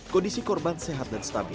kondisi korban sehat dan stabil